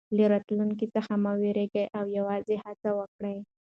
له راتلونکي څخه مه وېرېږئ او یوازې هڅه وکړئ.